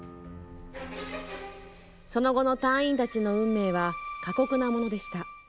その後の隊員たちの運命は過酷なものでした。